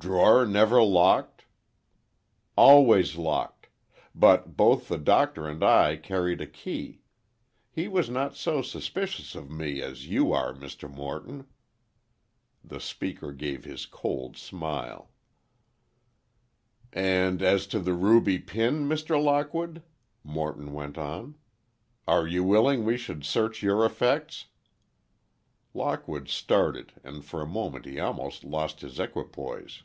"Drawer never locked?" "Always locked. But both the Doctor and I carried a key. He was not so suspicious of me as you are, Mr. Morton." The speaker gave his cold smile. "And as to the ruby pin, Mr. Lockwood?" Morton went on. "Are you willing we should search your effects?" Lockwood started and for a moment he almost lost his equipoise.